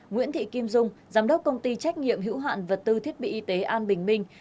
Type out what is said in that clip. nguyễn thị kim dung giám đốc công ty trách nhiệm hữu hạn vật tư thiết bị y tế an bình minh